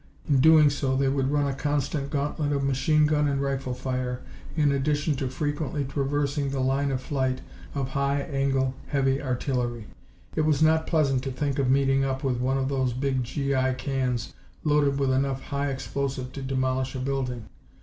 In so doing they would run a constant gauntlet of machine gun and rifle fire, in addition to frequently traversing the line of flight of high angle heavy artillery. It was not pleasant to think of meeting up with one of those big G.I. cans loaded with enough high explosive to demolish a building.